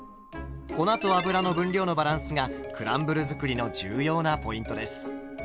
粉と油の分量のバランスがクランブル作りの重要なポイントです。